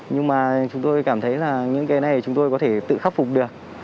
nhưng mà chúng tôi cảm thấy là những cái này chúng tôi có thể tự khắc phục được